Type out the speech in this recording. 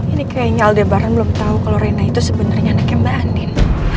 ini kayaknya aldebaran belum tahu kalau rena itu sebenarnya anaknya mbak andin